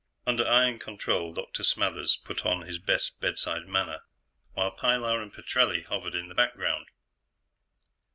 Under iron control, Dr. Smathers put on his best bedside manner, while Pilar and Petrelli hovered in the background.